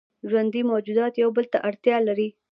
ژوندي موجودات یو بل ته اړتیا لري